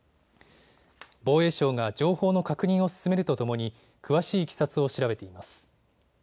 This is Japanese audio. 防衛省が情報の確認を進めるとともに詳しいいきさつを調べています。